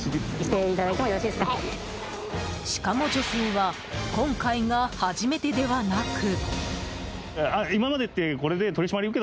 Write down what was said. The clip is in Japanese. しかも、女性は今回が初めてではなく。